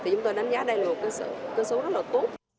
chúng tôi đánh giá đây là một cơ số rất là tốt